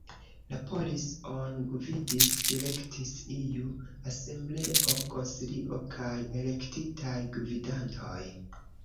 La "polis"on gvidis, direktis iu asembleo, konsilio kaj elektitaj gvidantoj.